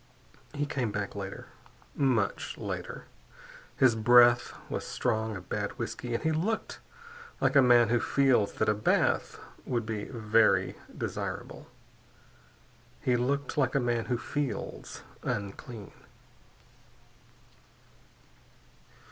He came back later, much later. His breath was strong of bad whiskey and he looked like a man who feels that a bath would be very desirable. He looked like a man who feels unclean.